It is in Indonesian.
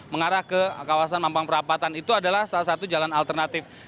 mengarah ke kawasan mampang perapatan itu adalah salah satu jalan alternatif